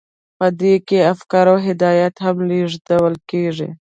په دې کې افکار او هدایات هم لیږدول کیږي.